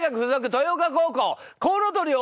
豊岡高校コウノトリを追う